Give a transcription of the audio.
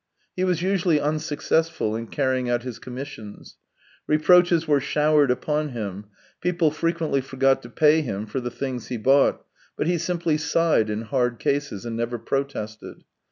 He was usually unsuccessful in carrying out his commissions. Reproaches were showered upon him, people frequently forgot to pay him for the things he bought, but he simply sighed in hard cases and never protested.